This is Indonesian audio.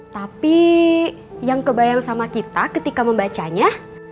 tapi yang kebayang sama kita ketika membacanya